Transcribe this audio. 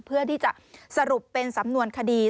เพื่อที่จะสรุปเป็นสำนวนคดี